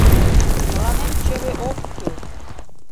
— Мыланем чыве ок кӱл!